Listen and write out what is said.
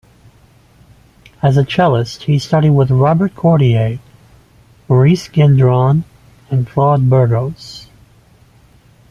As a cellist, he studied with Robert Cordier, Maurice Gendron and Claude Burgos.